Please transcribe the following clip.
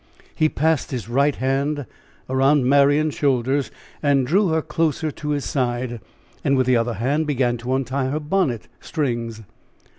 He passed his right hand around Marian's shoulders, and drew her closer to his side, and with the other hand began to untie her bonnet strings.